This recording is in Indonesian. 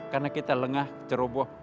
karena kita lengah ceroboh